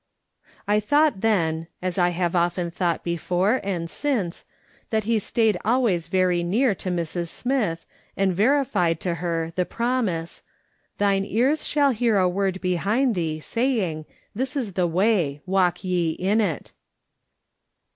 I thought then, as I have often thought before and since, that he stayed always very near to Mrs. Smith, and verified to her the promise :" Thine ears shall hear a word behind thee, saying. This is the way, walk ye in it."